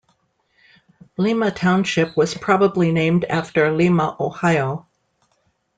Lima Township was probably named after Lima, Ohio.